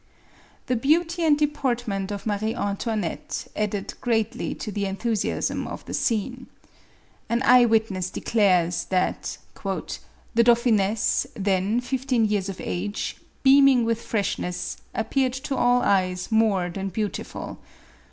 The beauty and deportment of Marie Antoinette added greatly to the enthusiasm of the scene. An eye witness declares that "the dauphiness, then fifteen years of age, beaming with freshness, appeared to all eyes more than beautiful.